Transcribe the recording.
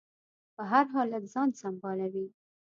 په هر حالت ځان سنبالوي.